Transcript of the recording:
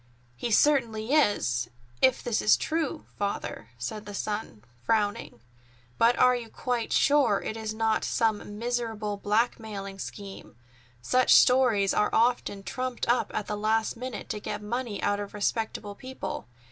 "He certainly is, if this is true, Father," said the son. frowning. "But are you quite sure it is not some miserable blackmailing scheme? Such stories are often trumped up at the last minute to get money out of respectable people.